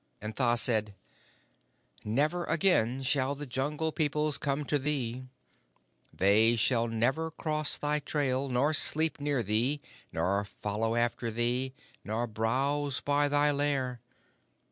"And Tha said: 'Never again shall the Jungle Peoples come to thee. They shall never cross thy trail, nor sleep near thee, nor follow after thee, nor browse by thy lair.